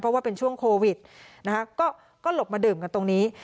เพราะว่าเป็นช่วงโควิดนะคะก็หลบมาดื่มกันตรงนี้